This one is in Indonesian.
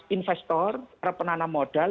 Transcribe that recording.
investor penanaman modal